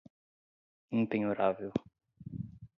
impenhorável